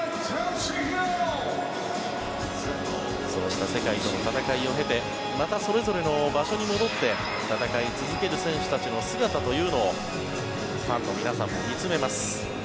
そうした世界との戦いを経てまたそれぞれの場所に戻って戦い続ける選手たちの姿というのをファンの皆さんも見つめます。